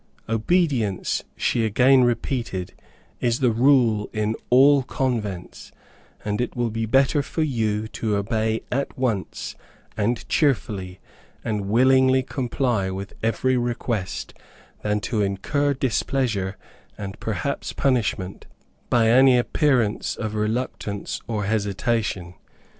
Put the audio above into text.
"Obedience," she again repeated, "is the rule in all convents, and it will be better for you to obey at once, and cheerfully, and willingly comply with every request, than to incur displeasure and perhaps punishment, by any appearance of reluctance or hesitation.